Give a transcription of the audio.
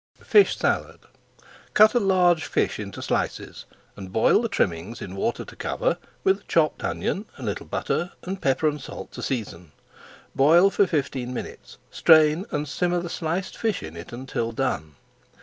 FISH SALAD Cut a large fish into slices and boil the trimmings in water to cover with a chopped onion, a little butter, and pepper and salt to season. Boil for fifteen minutes, strain, and simmer the sliced fish in it until done.